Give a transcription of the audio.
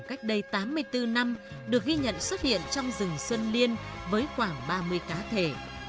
cách đây tám mươi bốn năm được ghi nhận xuất hiện trong rừng sơn liên với khoảng ba mươi cá thể